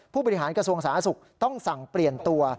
ผู้บริหารกระทรวงสาธารณสุขต้องสั่งเปลี่ยนตัว